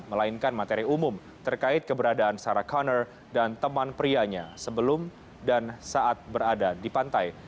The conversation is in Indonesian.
melainkan materi umum terkait keberadaan sarah connor dan teman prianya sebelum dan saat berada di pantai